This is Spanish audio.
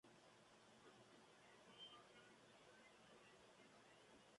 Es la primera película en las series "Action Six-Pack".